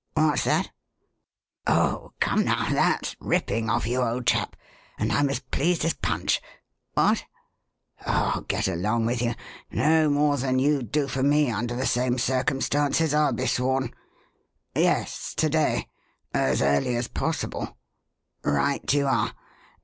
What's that? Oh, come, now, that's ripping of you, old chap, and I'm as pleased as Punch. What? Oh, get along with you! No more than you'd do for me under the same circumstances, I'll be sworn. Yes, to day as early as possible. Right you are.